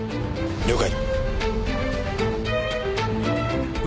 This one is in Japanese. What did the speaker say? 了解。